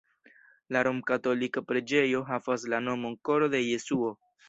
La romkatolika preĝejo havas la nomon Koro de Jesuo.